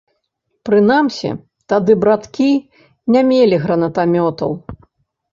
Прынамсі, тады браткі не мелі гранатамётаў.